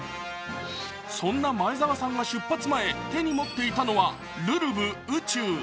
そんな前澤さんが出発前手に持っていたのは「るるぶ宇宙」。